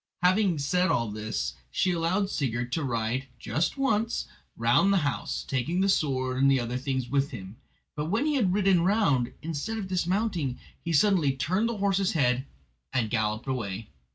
Having said all this she allowed Sigurd to ride "just once" round the house, taking the sword and other things with him. But when he had ridden round, instead of dismounting, he suddenly turned the horse's head and galloped away.